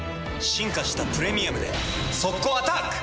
進化した「プレミアム」で速攻アタック！